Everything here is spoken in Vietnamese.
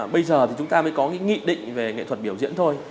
bây giờ thì chúng ta mới có cái nghị định về nghệ thuật biểu diễn thôi